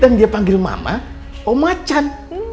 dan dia panggil mama omacan